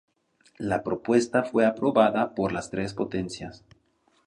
La propuesta fue aprobada por las tres potencias.